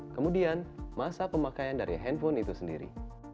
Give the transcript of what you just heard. kemudian masa pemakaian dari handphone itu sendiri